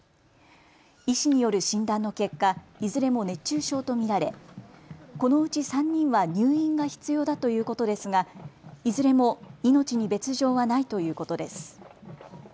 医師による診断の結果、いずれも熱中症と見られこのうち３人は入院が必要だということですが、いずれも命に別状はないということです。